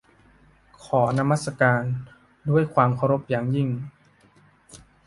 ขอนมัสการด้วยความเคารพอย่างยิ่ง